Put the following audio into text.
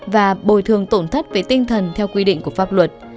và bồi thường tổn thất về tinh thần theo quy định của pháp luật